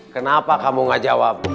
kenapa kamu gak jawab